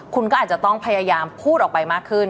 คุณก็อาจจะต้องพยายามพูดออกไปมากขึ้น